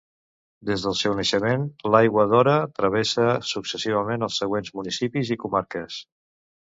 Des del seu naixement, l'Aigua d'Ora travessa successivament els següents municipis i comarques.